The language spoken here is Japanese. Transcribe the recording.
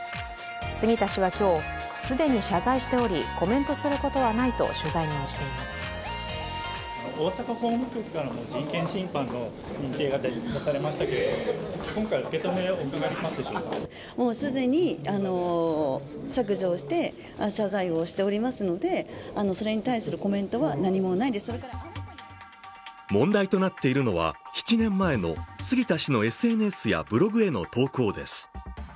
杉田氏は今日、既に謝罪しておりコメントすることはないと取材に応じています問題となっているのは、７年前の杉田氏のＳＮＳやブログへの投稿です。